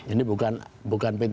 ini bukan p tiga yang mahal